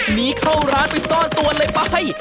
หนีเข้าร้านไปซ่อนตัวเลยไป